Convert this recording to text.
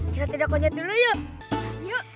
kita tidak konyor dulu yuk